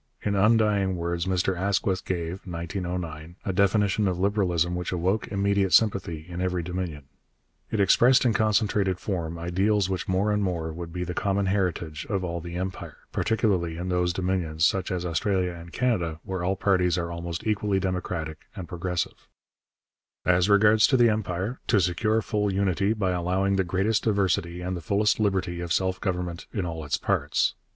In undying words Mr Asquith gave (1909) a definition of Liberalism which awoke immediate sympathy in every Dominion. It expressed in concentrated form ideals which more and more would be the common heritage of all the Empire, particularly in those Dominions, such as Australia and Canada, where all parties are almost equally democratic and progressive: As regards the Empire, to secure full unity by allowing the greatest diversity and the fullest liberty of self government in all its parts.